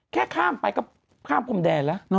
ข้ามไปก็ข้ามพรมแดนแล้ว